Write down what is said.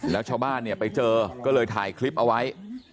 แล้วชาวบ้านเนี่ยไปเจอก็เลยถ่ายคลิปเอาไว้